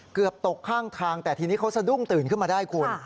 เกือบตกข้างทางแต่ทีนี้เขาสะดุ้งตื่นขึ้นมาได้คุณ